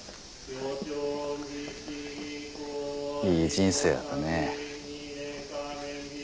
いい人生やったね。